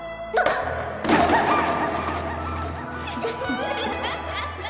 あっ！